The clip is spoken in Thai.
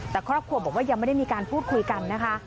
แต่ครอบครัวบอกว่ายังไม่ได้มีการพูดคุยกันนะคะ